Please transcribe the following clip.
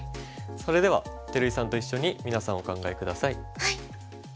それでは照井さんと一緒に皆さんお考え下さい。